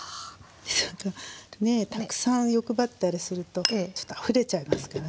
たくさん欲張ったりするとちょっとあふれちゃいますからね。